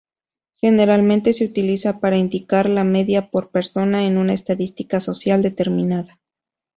Generalmente se utiliza para indicar la media por persona en una estadística social determinada.